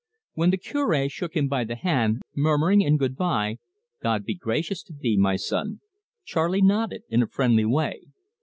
When the Cure shook him by the hand, murmuring in good bye, "God be gracious to thee, my son," Charley nodded in a friendly way.